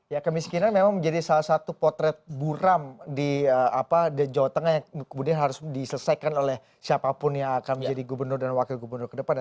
ya kemiskinan memang menjadi salah satu potret buram di jawa tengah yang kemudian harus diselesaikan oleh siapapun yang akan menjadi gubernur dan wakil gubernur ke depan